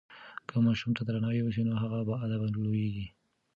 که ماشوم ته درناوی وسي نو هغه باادبه لویېږي.